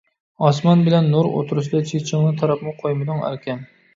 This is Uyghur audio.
ئاسمان بىلەن نۇر ئوتتۇرىسىدا چېچىڭنى تاراپمۇ قويمىدىڭ ئەركەم.